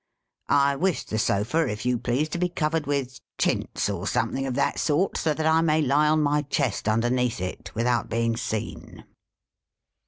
I wish the sofa, if you please, to be covered with chintz, or something of that sort, so that I may lie on my chest, underneath it, without being seen.'